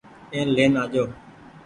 اين لين آجو ۔